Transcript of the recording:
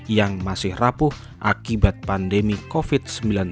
yang masih rapuh akibat pandemi covid sembilan belas